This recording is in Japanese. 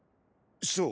そう。